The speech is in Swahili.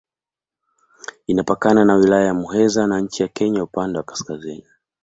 Inapakana na Wilaya ya Muheza na nchi ya Kenya upande wa kaskazini.